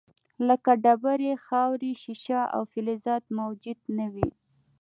لکه ډبرې، خاورې، شیشه او فلزات موجود نه وي.